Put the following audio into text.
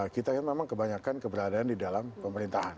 kita kan memang kebanyakan keberadaan di dalam pemerintahan